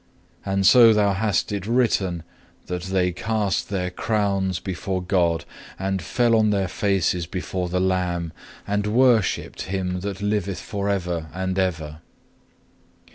And so thou hast it written that they cast their crowns before God and fell on their faces before the Lamb, and worshipped Him that liveth for ever and ever.